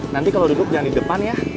nanti kalau duduk jangan di depan ya